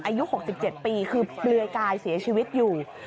อายุ๖๗ปีคือเปลือยกายเสียชีวิตอยู่